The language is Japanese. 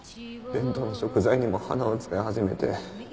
弁当の食材にも花を使い始めて。